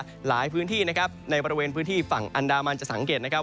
หลายพื้นที่นะครับในบริเวณพื้นที่ฝั่งอันดามันจะสังเกตนะครับ